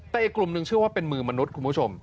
แต่อีกกลุ่มหนึ่งเชื่อว่าเป็นมือมนุษย์คุณผู้ชม